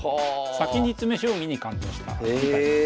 先に詰将棋に感動したみたいですよ。